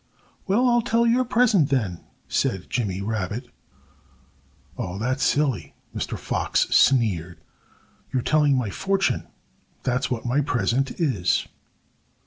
"Well, I'll tell your present, then," said Jimmy Rabbit. "Oh, that's silly!" Mr. Fox sneered. "You're telling my fortune that's what my present is."